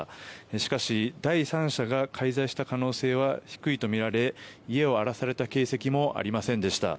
しかし第三者が介在した可能性は低いとみられ家を荒らされた形跡もありませんでした。